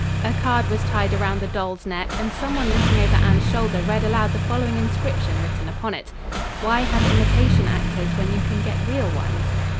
A card was tied around the doll's neck, and some one looking over Anne's shoulder read aloud the following inscription written upon it: "Why have imitation actors when you can get real ones?"